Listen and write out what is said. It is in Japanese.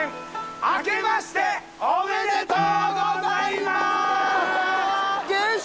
あけましておめでとうございます！迎春！